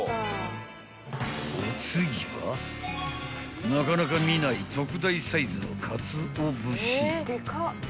［お次はなかなか見ない特大サイズのかつお節］